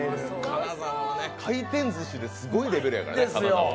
金沢は回転ずしですごいレベルやからね。